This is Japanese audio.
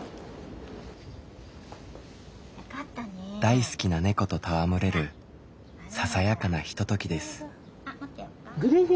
大好きな猫と戯れるささやかなひとときです。